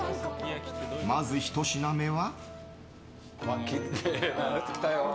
まず、ひと品目は。